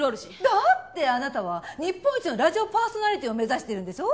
だってあなたは日本一のラジオパーソナリティーを目指してるんでしょ？